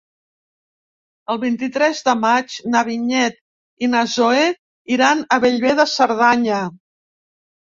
El vint-i-tres de maig na Vinyet i na Zoè iran a Bellver de Cerdanya.